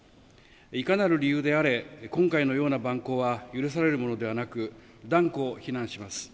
いかなる理由であれ今回のような、蛮行は許されるものではなく断固、非難します。